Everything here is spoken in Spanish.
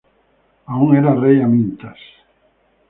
Aún era rey Amintas.